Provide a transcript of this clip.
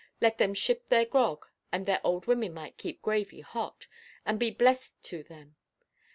Let them ship their grog, and their old women might keep gravy hot, and be blessed to them.